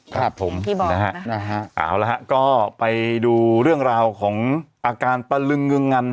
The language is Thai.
ครับผมอย่างที่บอกนะครับเอาละฮะก็ไปดูเรื่องราวของอาการปลลึงเงิน